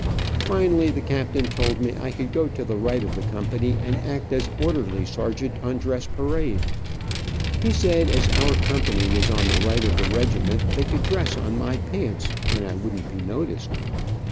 Finally the captain told me I could go to the right of the company and act as orderly sergeant on dress parade. He said as our company was on the right of the regiment, they could dress on my pants, and I wouldn't be noticed.